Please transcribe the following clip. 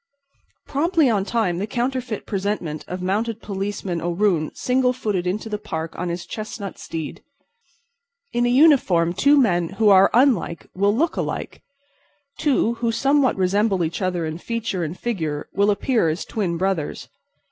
Promptly on time the counterfeit presentment of Mounted Policeman O'Roon single footed into the Park on his chestnut steed. In a uniform two men who are unlike will look alike; two who somewhat resemble each other in feature and figure will appear as twin brothers.